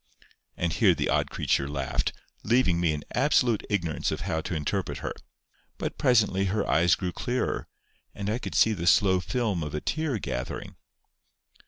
And here the odd creature laughed, leaving me in absolute ignorance of how to interpret her. But presently her eyes grew clearer, and I could see the slow film of a tear gathering.